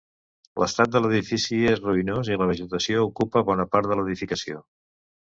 L'estat de l'edifici és ruïnós, i la vegetació ocupa bona part de l'edificació.